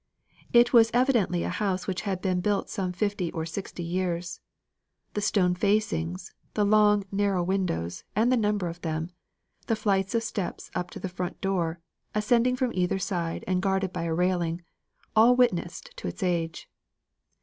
It was evidently a house which had been built some fifty or sixty years. The stone facings the long, narrow windows, and the number of them the flights of steps up to the front door, ascending from either side, and guarded by railing all witnessed to its age.